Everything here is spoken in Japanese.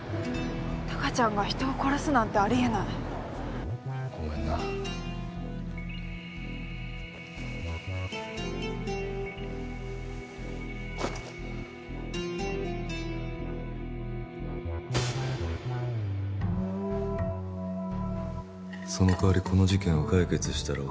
貴ちゃんが人を殺すなんてありえないごめんなそのかわりこの事件を解決したら